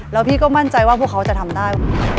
แล้วพี่ก็มั่นใจว่าพวกเขาจะทำได้